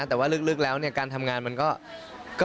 แต่ว่าลึกแล้วเนี่ยการทำงานมันก็